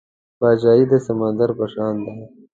پاچاهي د سمندر په شان ده .